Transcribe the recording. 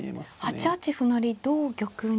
８八歩成同玉に。